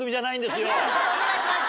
お願いします